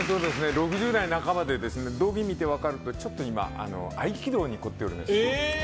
６０代半ばで胴着を見て分かるとおりちょっと今合気道に凝っておりまして。